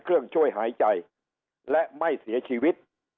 โรคการณ์ออกาศอันที่๒๖